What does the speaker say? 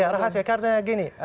ya rahasia karena gini